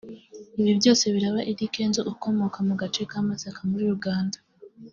Ibi byose biraba Eddy Kenzo ukomoka mu gace ka Masaka muri Uganda